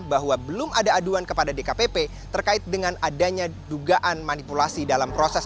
bahwa belum ada aduan kepada dkpp terkait dengan adanya dugaan manipulasi dalam proses